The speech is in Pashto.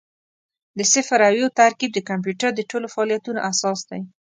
د صفر او یو ترکیب د کمپیوټر د ټولو فعالیتونو اساس دی.